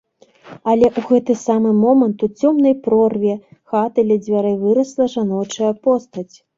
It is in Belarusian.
Але ў гэты самы момант у цёмнай прорве хаты ля дзвярэй вырасла жаночая постаць.